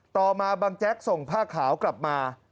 ต่อมาบังแจ๊กส่งผ้าขาวกลับมา